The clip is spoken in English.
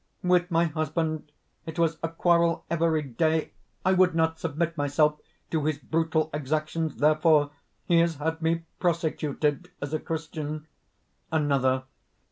"With my husband it was a quarrel every day. I would not submit myself to his brutal exactions; therefore he has had me prosecuted as a Christian." ANOTHER.